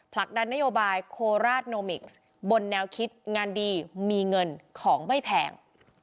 ผลักดันนโยบายโคราชโนมิกซ์บนแนวคิดงานดีมีเงินของไม่แพง